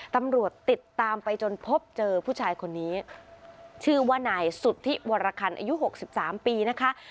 ตำรวจติดตามไปจนพบเจอผู้ชายคนนี้ชื่อว่าหน่ายสุทธิวรคันอายุหกสิบสามปีนะคะ